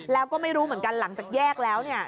แล้วก็ไม่รู้เหมือนกันหลังจากแยกแล้วเนี่ย